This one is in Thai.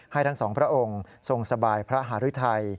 ทั้งสองพระองค์ทรงสบายพระหารุทัย